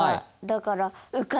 だから。